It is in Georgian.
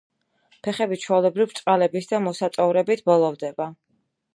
ფეხები ჩვეულებრივ ბრჭყალებით და მისაწოვრებით ბოლოვდება.